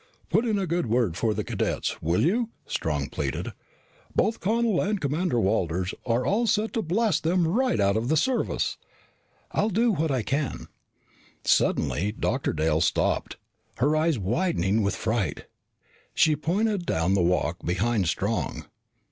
"Put in a good word for the cadets, will you?" Strong pleaded. "Both Connel and Commander Walters are all set to blast them right out of the service." "I'll do what I can " Suddenly Dr. Dale stopped, her eyes widening with fright. She pointed down the walk behind Strong.